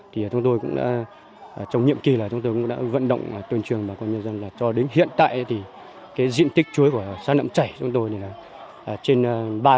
trong nhiệm kỳ chúng tôi cũng đã vận động tuyên trường và con nhân dân cho đến hiện tại diện tích chuối của sáng đậm chảy trên ba trăm ba mươi sáu ha